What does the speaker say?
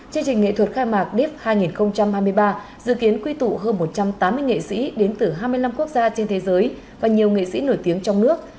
chương trình nghệ thuật khai mạc deep hai nghìn hai mươi ba dự kiến quy tụ hơn một trăm tám mươi nghệ sĩ đến từ hai mươi năm quốc gia trên thế giới và nhiều nghệ sĩ nổi tiếng trong nước